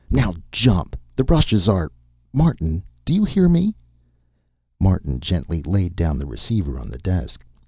Now jump! The rushes are ... Martin, do you hear me?" Martin gently laid down the receiver on the desk.